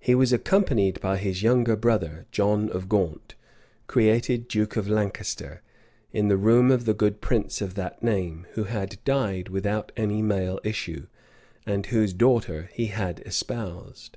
He was accompanied by his younger brother, John of Gaunt, created duke of Lancaster, in the room of the good prince of that name, who had died without any male issue, and whose daughter he had espoused.